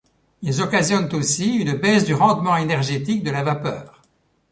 Ils occasionnent aussi une baisse du rendement énergétique de la vapeur.